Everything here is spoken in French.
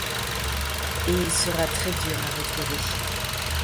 Et il sera très dur à retrouver.